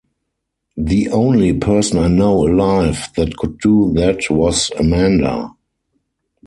The only person I know alive that could do that was Amanda.